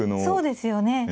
そうですよね。